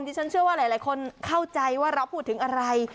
ฉันเชื่อว่าหลายคนเข้าใจว่าเราพูดถึงอะไร